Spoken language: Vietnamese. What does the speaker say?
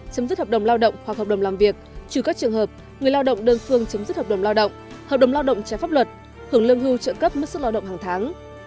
chấm dứt hợp đồng lao động hoặc hợp đồng làm việc trừ các trường hợp người lao động đơn phương chấm dứt hợp đồng lao động hợp đồng lao động trái pháp luật hưởng lương hưu trợ cấp mức sức lao động hàng tháng